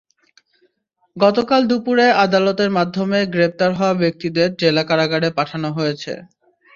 গতকাল দুপুরে আদালতের মাধ্যমে গ্রেপ্তার হওয়া ব্যক্তিদের জেলা কারাগারে পাঠানো হয়েছে।